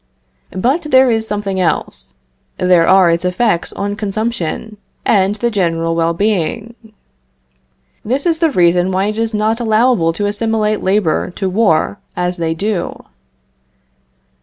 But there is something else; there are its effects on consumption, and the general well being. This is the reason why it is not allowable to assimilate labor to war as they do.